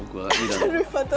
なるほど。